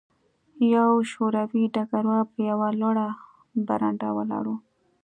یو شوروي ډګروال په یوه لوړه برنډه ولاړ و